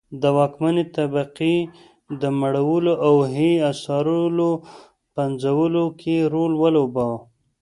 د واکمنې طبقې د مړولو او هي اثارو پنځولو کې رول ولوباوه.